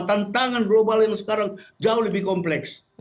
tantangan global yang sekarang jauh lebih kompleks